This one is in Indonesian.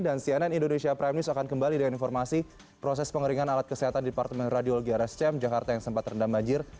dan cnn indonesia prime news akan kembali dengan informasi proses pengeringan alat kesehatan di departemen radiologi rscm jakarta yang sempat rendam banjir